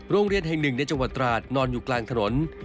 โรงเรียนแห่งหนึ่งในจังหวัดตราดนอนอยู่กลางถนน